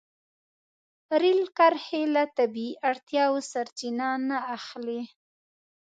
رېل کرښې له طبیعي اړتیاوو سرچینه نه اخلي.